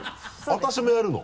私もやるの？